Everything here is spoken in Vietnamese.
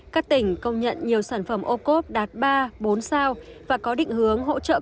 các tỉnh công nhận nhiều sản phẩm ô cốp đạt ba bốn sao và có định hướng hỗ trợ